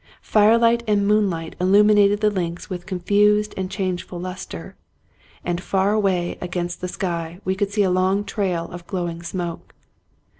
Firelight and moonlight illumi nated the links with confused and changeful luster, and far away against the sky we could see a long trail of glowing smoke.